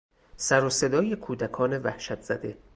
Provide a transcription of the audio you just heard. سر و صدای کودکان وحشت زده